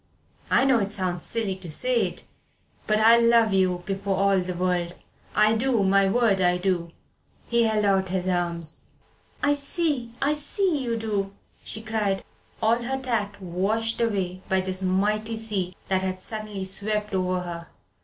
I know it sounds silly to say it but I love you before all the world I do my word I do!" He held out his arms. "I see I see you do," she cried, all her tact washed away by this mighty sea that had suddenly swept over her.